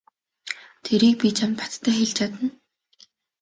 Тэрийг би чамд баттай хэлж чадна.